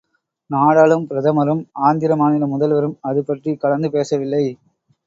நாடாளும் பிரதமரும், ஆந்திர மாநில முதல்வரும் அது பற்றிக் கலந்து பேசவில்லை.